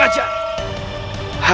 kau tidak boleh melihat